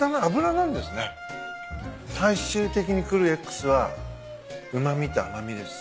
最終的に来るＸはうま味と甘味です。